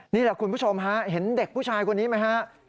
นี่แหละคุณผู้ชมฮะเห็นเด็กผู้ชายคนนี้ไหมฮะ